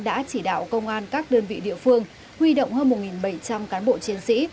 đã chỉ đạo công an các đơn vị địa phương huy động hơn một bảy trăm linh cán bộ chiến sĩ